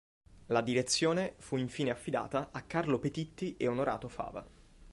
La direzione fu infine affidata a Carlo Petitti e Onorato Fava.